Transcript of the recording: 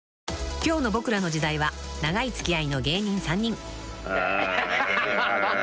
［今日の『ボクらの時代』は長い付き合いの芸人３人］ああ！